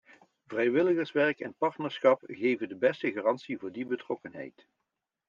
Vrijwilligerswerk en partnerschap geven de beste garantie voor die betrokkenheid.